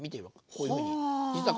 こういうふうに。は。